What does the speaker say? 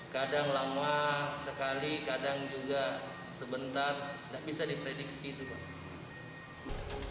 kadang lama sekali kadang juga sebentar tidak bisa diprediksi itu pak